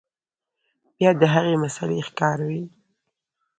بيا د هغې مسئلې ښکار وي